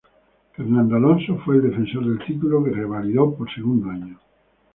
Fernando Alonso fue el defensor del título que revalidó por segundo año.